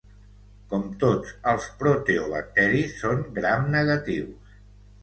Com tots els proteobacteris, són gram-negatius.